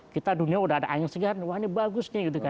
kita dunia sudah ada angin segar wah ini bagus